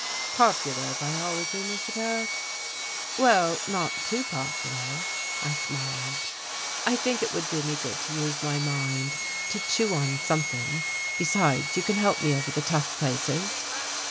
"Popular biology, Mr. Paret?" "Well, not too popular," I smiled. "I think it would do me good to use my mind, to chew on something. Besides, you can help me over the tough places."